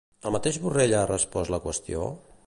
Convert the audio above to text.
El mateix Borrell ha respost la qüestió?